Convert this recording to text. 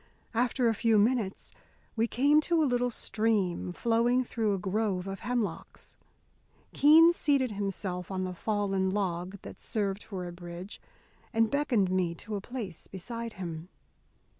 After a few minutes we came to a little stream, flowing through a grove of hemlocks. Keene seated himself on the fallen log that served for a bridge and beckoned me to a place beside him.